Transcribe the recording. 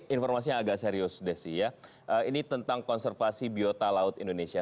informasi yang agak serius desi ya ini tentang konservasi biota laut indonesia